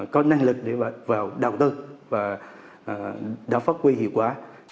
có năng lực để vào đầu tư và đã phát huy hiệu quả